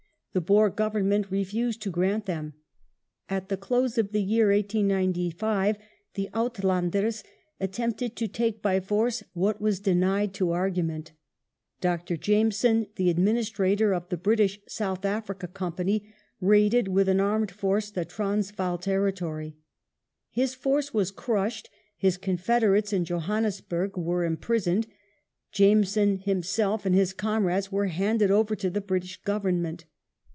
The Boer Government refused to grant them. At the close of the year 1895 the " Uitlanders " attempted to take by force what was denied to argument. Dr. Jameson, the adminis trator of the British South Africa Company, raided with an armed force the Transvaal territory. His force was crushed ; his confederates in Johannesburg were imprisoned ; Jameson himself and his comrades were handed over to the British Government.